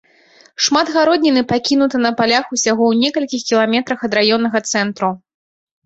Шмат гародніны пакінута на палях усяго ў некалькіх кіламетрах ад раённага цэнтру.